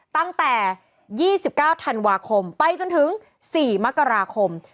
ตั้งแต่๒๙ธันวาคมไปจนถึง๔มกราคม